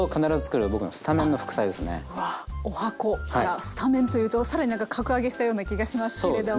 うわ十八番からスタメンというと更になんか格上げしたような気がしますけれども。